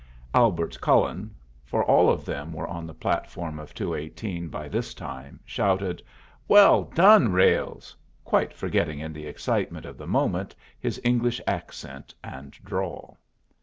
Albert Cullen for all of them were on the platform of 218 by this time shouted, "Well done, Ralles!" quite forgetting in the excitement of the moment his English accent and drawl.